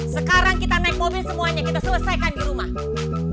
sekarang kita naik mobil semuanya kita selesaikan di rumah